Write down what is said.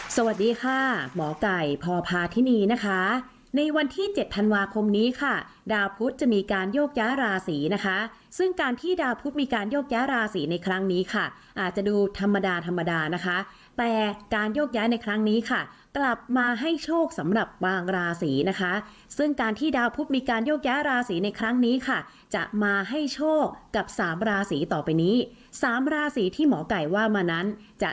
สวัสดีค่ะหมอไก่พอพาทินีนะคะในวันที่เจ็ดธันวาคมนี้ค่ะดาวพุทธจะมีการโยกย้ายราศีนะคะซึ่งการที่ดาวพุทธมีการโยกย้าราศีในครั้งนี้ค่ะอาจจะดูธรรมดาธรรมดานะคะแต่การโยกย้ายในครั้งนี้ค่ะกลับมาให้โชคสำหรับบางราศีนะคะซึ่งการที่ดาวพุทธมีการโยกย้ายราศีในครั้งนี้ค่ะจะมาให้โชคกับสามราศีต่อไปนี้สามราศีที่หมอไก่ว่ามานั้นจะ